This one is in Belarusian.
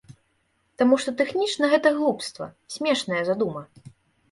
Таму што тэхнічна гэта глупства, смешная задума.